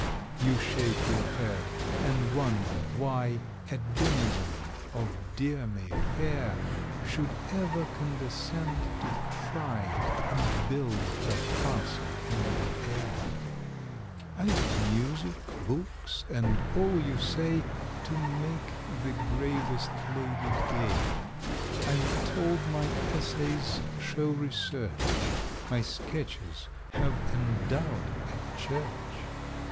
You shake your head, and wonder why A denizen of dear May Fair Should ever condescend to try And build her Castle in the Air. I've music, books, and all, you say, To make the gravest lady gay; I'm told my essays show research, My sketches have endow'd a church.